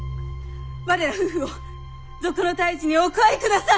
我ら夫婦を賊の退治にお加えください！